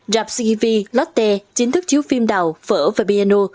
rạp sihivi lotte chính thức chiếu phim đào phở và piano